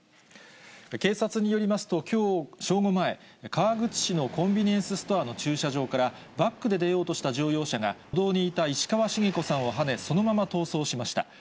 警察によりますと、きょう正午前、川口市のコンビニエンスストアの駐車場からバックで出ようとした乗用車が歩道にいた石河茂子さんをはね、そのまま逃走しました。